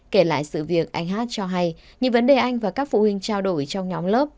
kể lại sự việc anh hát cho hay những vấn đề anh và các phụ huynh trao đổi trong nhóm lớp